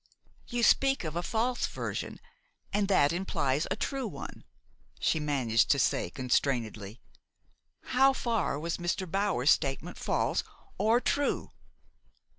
"You speak of a false version, and that implies a true one," she managed to say constrainedly. "How far was Mr. Bower's statement false or true?"